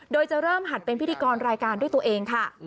โดยจะเริ่มหัดเป็นพิธีกรรายการด้วยตัวเองค่ะ